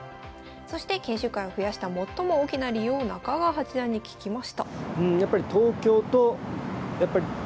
そして研修会を増やした最も大きな理由を中川八段に聞きました。